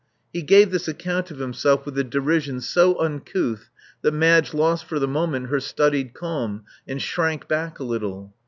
He gave this account of himself with a derision so uncouth that Madge lost for the moment her studied calm, and shrank back a little.